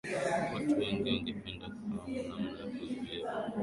watu wengi wangependa kufahamu namna ya kuzuia virusi